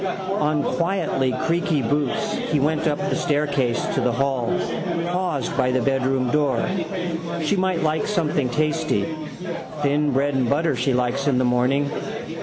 On quietly creaky boots he went up the staircase to the hall, paused by the bedroom door. She might like something tasty. Thin bread and butter she likes in the morning.